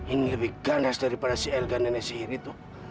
ini lebih gandas daripada si elga nenek sihir itu